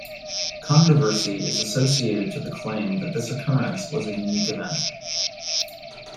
Controversy is associated to the claim that this occurrence was a unique event.